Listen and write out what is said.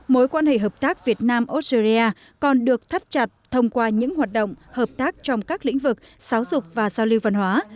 mối quan hệ hợp tác việt nam australia còn được thắt chặt thông qua những hoạt động hợp tác trong các lĩnh vực giáo dục và giao lưu văn hóa